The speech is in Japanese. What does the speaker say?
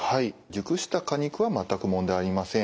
熟した果肉は全く問題ありません。